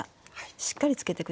しっかりつけて下さい。